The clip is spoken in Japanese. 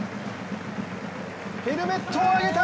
ヘルメットを上げた！